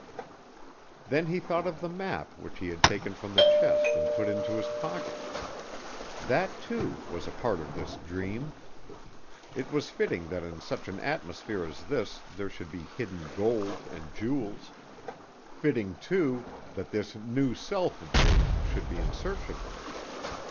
Then he thought of the map which he had taken from the chest and put into his pocket. That, too, was a part of this dream. It was fitting that in such an atmosphere as this there should be hidden gold and jewels; fitting, too, that this new self of his should be in search of them.